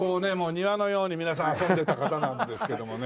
庭のように皆さん遊んでた方なんですけどもね。